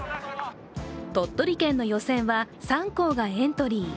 鳥取県の予選は３校がエントリー。